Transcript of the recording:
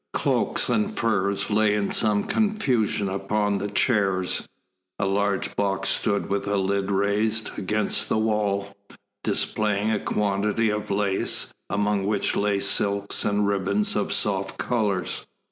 Cloaks and furs lay in some confusion upon the chairs, a large box stood with the lid raised, against the wall, displaying a quantity of lace, among which lay silks and ribbons of soft colours.